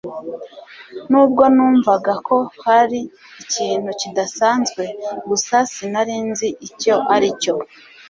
Nubwo numvaga ko hari ikintu kidasanzwe, gusa sinari nzi icyo aricyo.